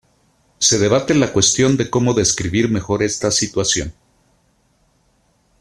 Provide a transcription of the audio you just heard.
Se debate la cuestión de cómo describir mejor esta situación.